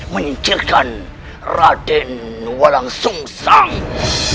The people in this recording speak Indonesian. menyingkirkan raden walang sungsang